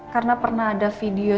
karena pernah ada video